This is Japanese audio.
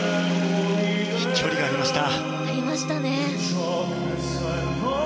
飛距離がありました。